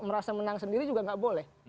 merasa menang sendiri juga nggak boleh